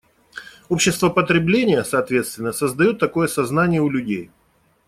Общество потребления, соответственно, создает такое сознание у людей.